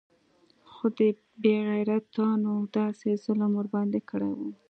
خو دې بې غيرتانو داسې ظلم ورباندې كړى و.